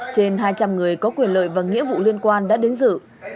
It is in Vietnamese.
trên hai trăm linh người có quyền lợi và nghĩa vụ liên quan đã đến dự